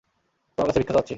তোমার কাছে ভিক্ষা চাচ্ছি!